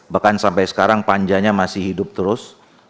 bahkan sampai sekarang panjanya masih hidup terus